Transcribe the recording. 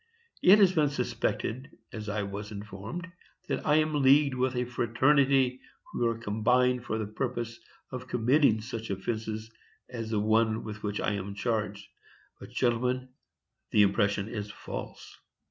It has been suspected, as I was informed, that I am leagued with a fraternity who are combined for the purpose of committing such offences as the one with which I am charged. But, gentlemen, the impression is false.